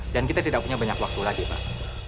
dan kita tidak punya banyak waktu lagi pak